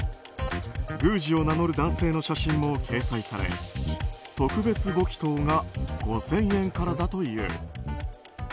宮司を名乗る男性の写真も掲載され特別ご祈祷が５０００円からだという。